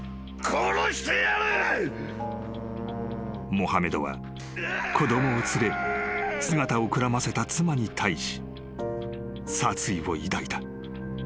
［モハメドは子供を連れ姿をくらませた妻に対し殺意を抱いた］